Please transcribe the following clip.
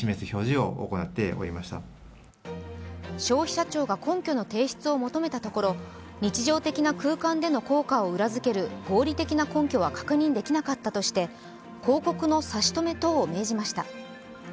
消費者庁が根拠の提出を求めたところ日常的な空間での効果を裏づける合理的な根拠は確認できなかったとして広告の差し止め等を命じました。